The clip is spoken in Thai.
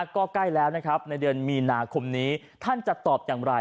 ก็ใกล้แล้วนะครับในเดือนมีนาคมนี้ท่านจะตอบอย่างไร